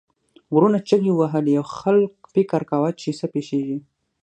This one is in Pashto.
غرونو چیغې وهلې او خلک فکر کاوه چې څه پیښیږي.